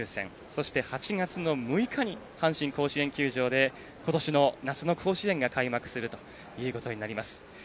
そして８月の６日に阪神甲子園球場でことしの夏の甲子園が開幕するということになります。